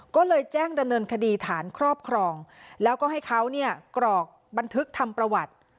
ก็เลยแจ้งดำเนินคดีฐานครอบครองแล้วก็ให้เขาเนี่ยกรอกบันทึกทำประวัติ